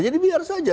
jadi biar saja